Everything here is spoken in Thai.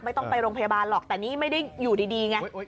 ต้องไปโรงพยาบาลหรอกแต่นี่ไม่ได้อยู่ดีไง